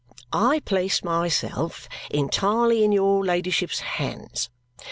I place myself entirely in your ladyship's hands.